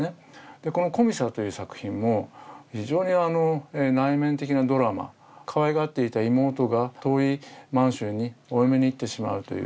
でこの「コミサ」という作品も非常に内面的なドラマかわいがっていた妹が遠い満州にお嫁に行ってしまうという。